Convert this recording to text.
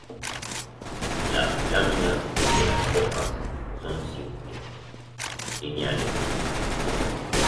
Las láminas de las hojas son simples, lineales.